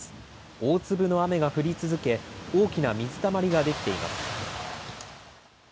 大粒の雨が降り続け大きな水たまりが出来ています。